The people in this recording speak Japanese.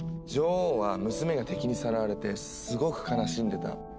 女王は娘が敵にさらわれてすごく悲しんでた。